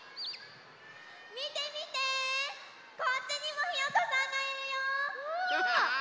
みてみてこっちにもひよこさんがいるよ。わ。